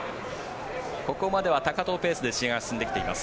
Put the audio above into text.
ここまでは高藤ペースで試合が進んでいます。